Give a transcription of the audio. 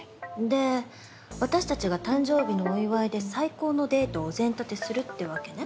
で私たちが誕生日のお祝いで最高のデートをお膳立てするってわけね。